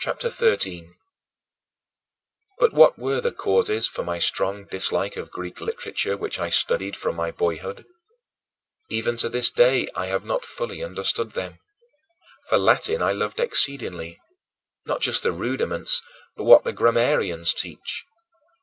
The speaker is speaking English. CHAPTER XIII 20. But what were the causes for my strong dislike of Greek literature, which I studied from my boyhood? Even to this day I have not fully understood them. For Latin I loved exceedingly not just the rudiments, but what the grammarians teach.